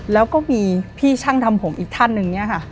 แล้วก็มีพี่ช่างทำผมอีกท่านหนึ่งเนี่ยค่ะ